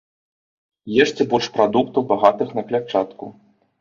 Ешце больш прадуктаў, багатых на клятчатку.